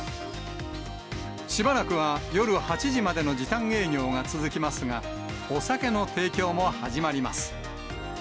しばらくは夜８時までの時短営業が続きますが、お酒の提供も始まります。